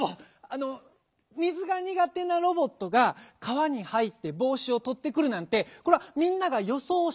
あのみずがにがてなロボットがかわに入ってぼうしをとってくるなんてこれはみんながよそうしない